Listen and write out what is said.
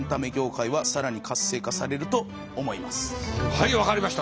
はい分かりました。